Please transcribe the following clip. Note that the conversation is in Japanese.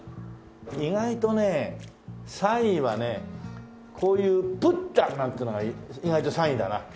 意外とね３位はねこういう「プッラ」なんていうのが意外と３位だな。